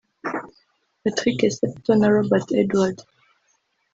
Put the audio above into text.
Patrick Septoe na Robert Edwards